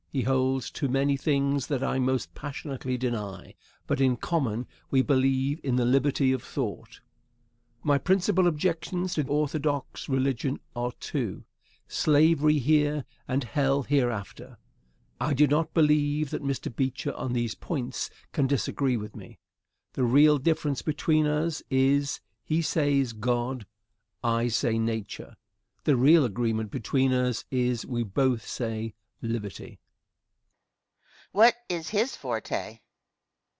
He holds to many things that I most passionately deny. But in common, we believe in the liberty of thought. My principal objections to orthodox religion are two slavery here and hell hereafter. I do not believe that Mr. Beecher on these points can disagree with me. The real difference between us is he says God, I say Nature. The real agreement between us is we both say Liberty.